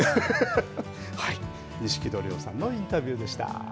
錦戸亮さんのインタビューでした。